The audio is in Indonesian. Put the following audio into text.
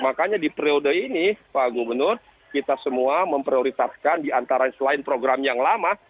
makanya di periode ini pak gubernur kita semua memprioritaskan diantara selain program yang lama